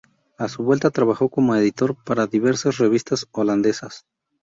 A su vuelta trabajo como editor para diversas revistas holandesas.